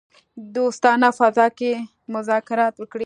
دوستانه فضا کې مذاکرات وکړي.